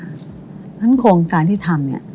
เพราะฉะนั้นโครงการที่ทำเนี่ย